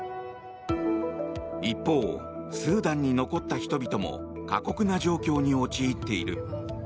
一方、スーダンに残った人々も過酷な状況に陥っている。